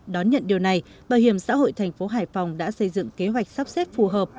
đón nhận điều này bảo hiểm xã hội thành phố hải phòng đã xây dựng kế hoạch sắp xếp phù hợp